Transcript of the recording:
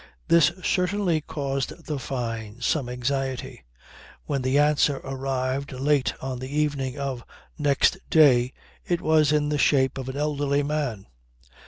This certainly caused the Fynes some anxiety. When the answer arrived late on the evening of next day it was in the shape of an elderly man.